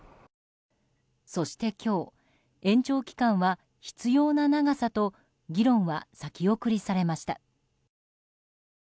そして今日延長期間は必要な長さと議論は先送りされました。